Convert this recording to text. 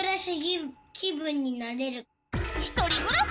ひとりぐらし？